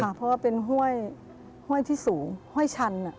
เพราะว่าเป็นห้วยที่สูงห้วยชัน